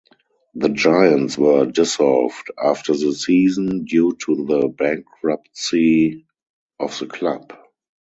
The Giants were dissolved after the season due to the bankruptcy of the club.